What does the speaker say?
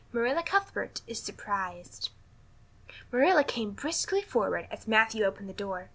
Marilla Cuthbert is Surprised MARILLA came briskly forward as Matthew opened the door.